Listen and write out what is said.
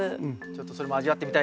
ちょっとそれも味わってみたいよね。